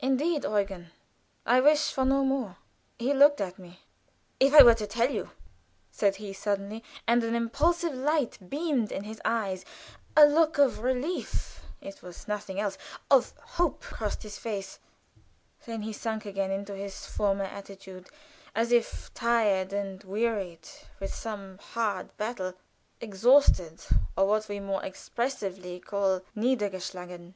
"Indeed, Eugen, I wish for no more." He looked at me. "If I were to tell you," said he, suddenly, and an impulsive light beamed in his eyes. A look of relief it was nothing else of hope, crossed his face. Then he sunk again into his former attitude as if tired and wearied with some hard battle; exhausted, or what we more expressively call niedergeschlagen.